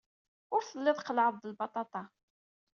Ur tellid qellɛed-d lbaṭaṭa.